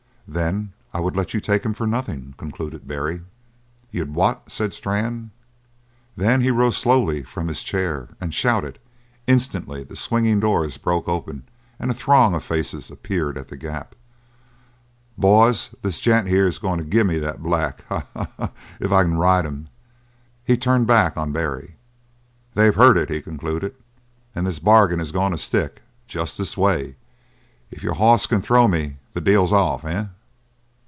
"Then I would let you take him for nothing," concluded Barry. "You'd what?" said Strann. Then he rose slowly from his chair and shouted; instantly the swinging doors broke open and a throng of faces appeared at the gap. "Boys, this gent here is going to give me the black ha, ha, ha! if I can ride him!" He turned back on Barry. "They've heard it," he concluded, "and this bargain is going to stick just this way. If your hoss can throw me the deal's off. Eh?"